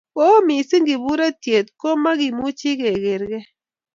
Ko oo missing kiburetiet, komakimuchi keger kei.